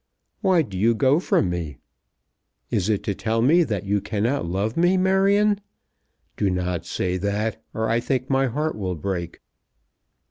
Why do you go from me? Is it to tell me that you cannot love me, Marion? Do not say that, or I think my heart will break."